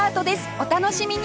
お楽しみに！